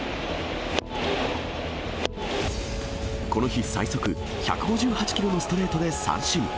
この日最速、１５８キロのストレートで三振。